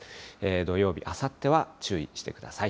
土曜日、あさっては注意してください。